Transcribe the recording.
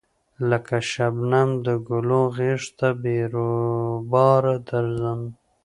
لکه شبنم د گلو غېږ ته بې رویباره درځم